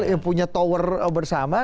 yang punya tower bersama